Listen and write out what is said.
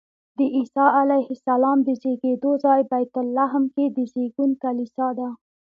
د عیسی علیه السلام د زېږېدو ځای بیت لحم کې د زېږون کلیسا ده.